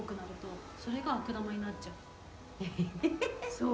・そう。